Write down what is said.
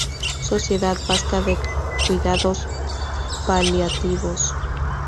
Sociedad Vasca de Cuidados Paliativos.